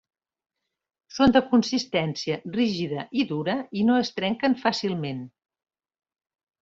Són de consistència rígida i dura i no es trenquen fàcilment.